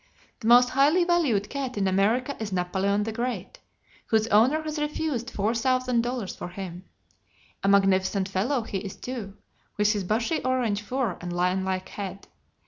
The most highly valued cat in America is Napoleon the Great, whose owner has refused four thousand dollars for him. A magnificent fellow he is too, with his bushy orange fur and lionlike head.